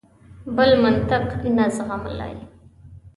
بل منطق نه زغملای.